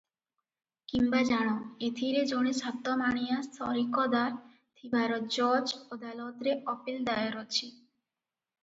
କିମ୍ବା ଜାଣ, ଏଥିର ଜଣେ ସାତ ମାଣିଆ ସରିକଦାର ଥିବାର ଜଜ୍ ଅଦାଲତରେ ଅପିଲ ଦାୟର ଅଛି ।